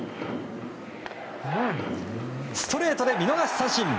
ストレートで見逃し三振。